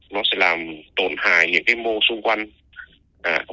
nó sẽ làm tổn hại những cái mô xung quanh